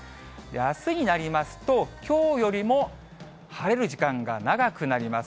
あすになりますと、きょうよりも晴れる時間が長くなります。